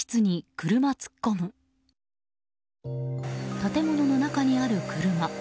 建物の中にある車。